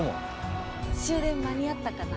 終電間に合ったかな？